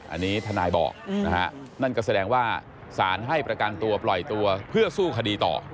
อันนี้ทนายบอกนะฮะนั่นก็แสดงว่าสารให้ประกันตัวปล่อยตัวเพื่อสู้คดีต่อ